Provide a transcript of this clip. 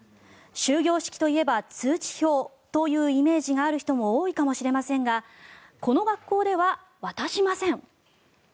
終業式といえば通知表というイメージを持つ人が多いかもしれませんがこの学校では渡しません。